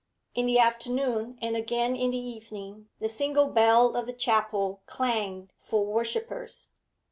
In the afternoon, and again in the evening, the single bell of the chapel clanged for worshippers.